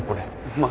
まあ